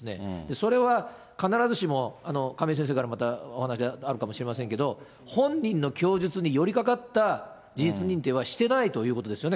それは必ずしも、亀井先生からまたお話あるかもしれませんけれども、本人の供述に寄りかかった事実認定はしてないということですよね？